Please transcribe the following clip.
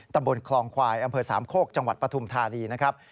ตำบลคลองควายอำเภอสามโคกจังหวัดปฐุมธานีนะครับ